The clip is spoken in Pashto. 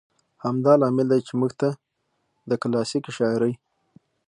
همدا لامل دى، چې موږ ته د کلاسيکې شاعرۍ